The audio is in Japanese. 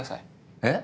えっ？